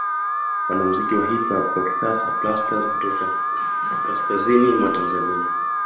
Wanamuziki wa Hip Hop wa kisasa Plastaz kutoka kaskazini mwa Tanzania